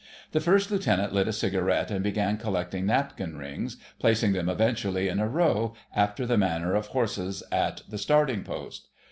The First Lieutenant lit a cigarette and began collecting napkin rings, placing them eventually in a row, after the manner of horses at the starting post.